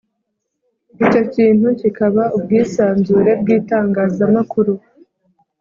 icyo kintu kikaba ubwisanzure bw’itangazamakuru